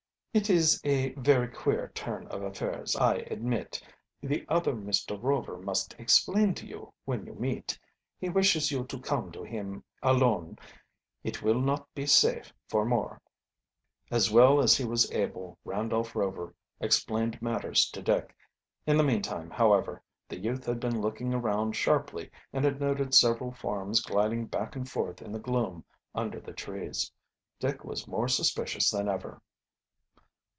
"It is a very queer turn of affairs, I admit. The other Mr. Rover must explain to you when you meet. He wishes you to come to him alone. It will not be safe for more." As well as he was able Randolph Rover explained matters to Dick. In the meantime, however, the youth had been looking around sharply and had noted several forms gliding back and forth in the gloom under the trees. Dick was more suspicious than ever.